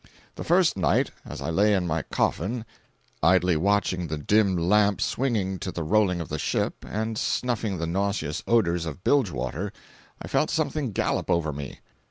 The first night, as I lay in my coffin, idly watching the dim lamp swinging to the rolling of the ship, and snuffing the nauseous odors of bilge water, I felt something gallop over me.